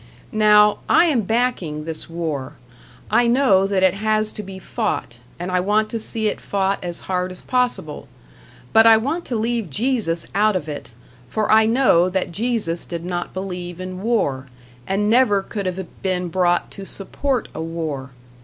Now, I am backing this war. I know that it has to be fought, and I want to see it fought as hard as possible; but I want to leave Jesus out of it, for I know that Jesus did not believe in war, and never could have been brought to support a war.